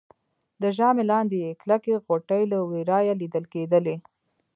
د ژامې لاندې يې کلکې غوټې له ورایه لیدل کېدلې